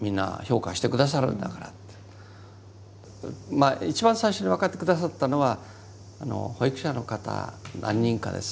まあ一番最初に分かって下さったのは保育者の方何人かです。